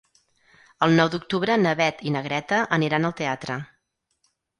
El nou d'octubre na Beth i na Greta aniran al teatre.